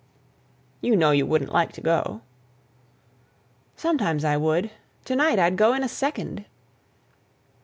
"You know you wouldn't like to go." "Sometimes I would—to night I'd go in a second."